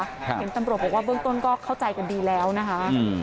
เห็นตำรวจบอกว่าเบื้องต้นก็เข้าใจกันดีแล้วนะคะ